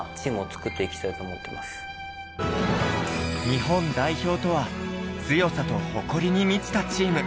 日本代表とは強さと誇りに満ちたチーム。